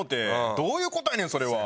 どういう事やねんそれは。